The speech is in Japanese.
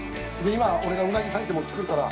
今俺がうなぎさいて持ってくるから。